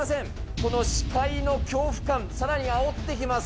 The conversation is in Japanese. この視界の恐怖感、さらにあおってきます。